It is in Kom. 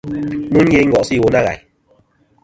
Mɨ nì yeyn ngo'sɨ iwo nâ ghàyn.